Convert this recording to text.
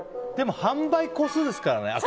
でも販売個数ですからね。